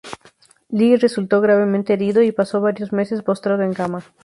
Lee resultó gravemente herido y pasó varios meses postrado en cama.